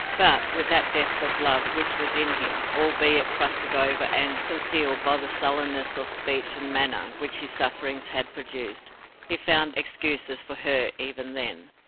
But, with that depth of love which was in him, albeit crusted over and concealed by the sullenness of speech and manner which his sufferings had produced, he found excuses for her even then.